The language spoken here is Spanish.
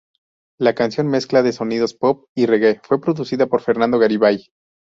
La canción, mezcla de sonidos pop y reggae, fue producida por Fernando Garibay.